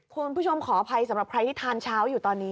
ขออภัยสำหรับใครที่ทานเช้าอยู่ตอนนี้